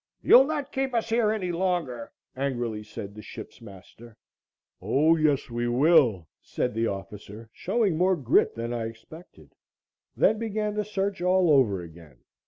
"You'll not keep us here any longer," angrily said the ship's master. "O, yes, we will!" said the officer, showing more grit than I expected. Then began the search all over again.